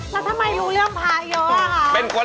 แล้วทำไมรู้เรื่องพาเยอะว่าครับ